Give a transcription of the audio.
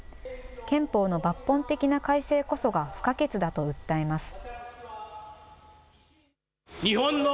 憲法の抜本的な改正こそが不可欠だと訴えます。